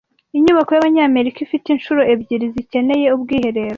Inyubako y'Abanyamerika ifite inshuro ebyiri - zikeneye ubwiherero